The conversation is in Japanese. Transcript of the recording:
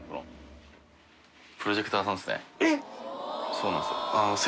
そうなんですよ。